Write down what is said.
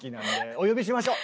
お呼びしましょう。